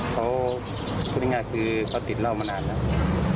เขาพูดง่ายคือเขาติดเหล้ามานานแล้ว